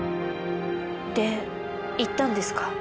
で行ったんですか？